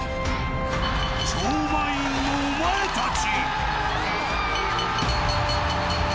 超満員のお前たち！